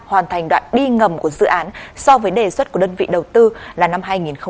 hoàn thành đoạn đi ngầm của dự án so với đề xuất của đơn vị đầu tư là năm hai nghìn một mươi bảy